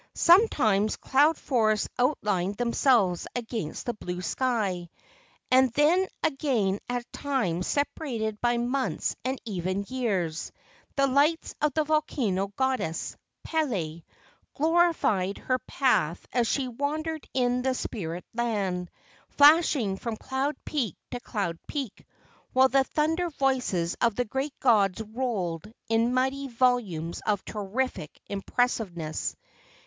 Sometimes cloud forests outlined themselves against the blue sky, and then again at times separated by months and even years, the lights of the volcano goddess, Pele, glorified her path as she wandered in the spirit land, flashing from cloud peak to cloud peak, while the thunder voices of the great gods rolled in mighty volumes of terrific impressiveness.